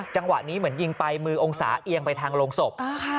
จังหวะนี้เหมือนยิงไปมือองศาเอียงไปทางโรงศพ